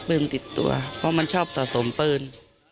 ติดตัวเพราะมันชอบสะสมปืน